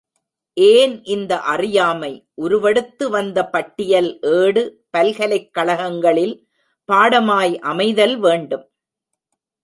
ஏன் இந்த அறியாமை உருவெடுத்துவந்த பட்டியல் ஏடு, பல்கலைக் கழகங்களில் பாடமாய் அமைதல் வேண்டும்?